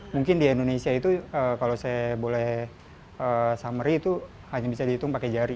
mungkin di indonesia itu kalau saya boleh summary itu hanya bisa dihitung pakai jari